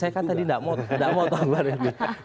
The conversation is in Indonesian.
saya kan tadi tidak mau tambah lebih